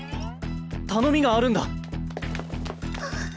頼みがあるんだ。